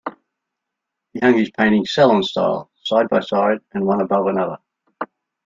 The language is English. He hung his paintings "salon style"-side by side and one above another.